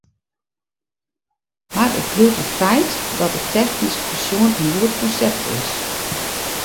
Mar it bliuwt in feit dat it technysk besjoen in goed konsept is.